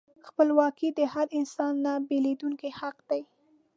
خپلواکي د هر انسان نهبیلېدونکی حق دی.